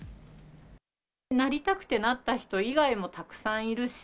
なりたくてなった人以外もたくさんいるし、